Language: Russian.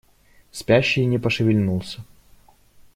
Спящий не пошевельнулся.